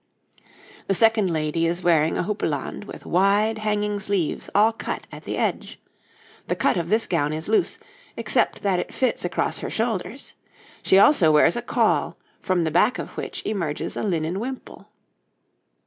[Illustration: {A woman of the time of Henry IV.}] The second lady is wearing a houppelande with wide, hanging sleeves all cut at the edge; the cut of this gown is loose, except that it fits across her shoulders; she also wears a caul, from the back of which emerges a linen wimple.